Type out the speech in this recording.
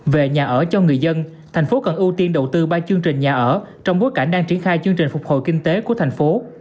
về nhà ở cho người dân thành phố cần ưu tiên đầu tư ba chương trình nhà ở trong bối cảnh đang triển khai chương trình phục hồi kinh tế của thành phố